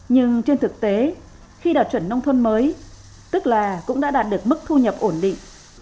nhưng trên thực tế khi đạt chuẩn nông thôn mới tức là cũng đã đạt được mức thu nhập ổn định